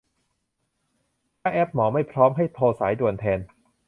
ถ้าแอปหมอไม่พร้อม ให้โทรสายด่วนแทน